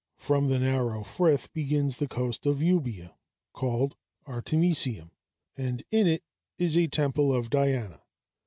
From the narrow frith begins the coast of Euboea, called Artemisium, and in it is a temple of Diana.